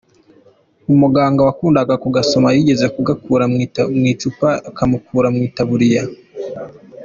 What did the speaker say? Umuganga wakunda kugasoma yigeze kugakura mu icupa kamukuramo itaburiya.